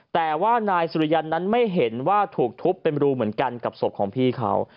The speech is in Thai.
แต่ว่านายสุริยันนั้นไม่เห็นว่าถูกทุบเป็นรูเหมือนกันกับศพของพี่เขา